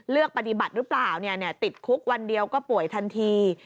เลือกปฏิบัติหรือเปล่าติดคุกวันเดียวก็ป่วยทันที